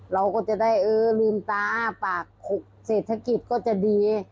เราก็จะได้เออลืมตาปากขุกเศรษฐกิจก็จะดี